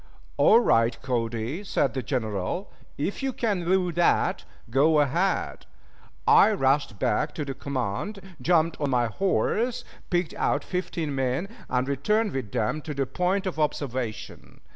"All right, Cody," said the General. "If you can do that, go ahead." I rushed back to the command, jumped on my horse, picked out fifteen men, and returned with them to the point of observation.